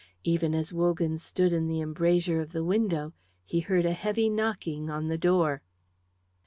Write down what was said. Even as Wogan stood in the embrasure of the window, he heard a heavy knocking on the door.